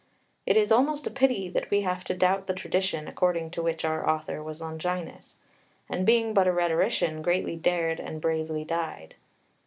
It is almost a pity that we have to doubt the tradition, according to which our author was Longinus, and, being but a rhetorician, greatly dared and bravely died.